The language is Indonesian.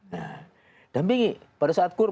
nah dampingi pada saat quran